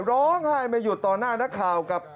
ร้องไห้ไม่หยุดต่อหน้านักข่าวกับ